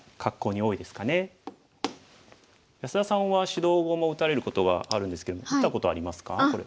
安田さんは指導碁も打たれることがあるんですけど見たことありますかこれ。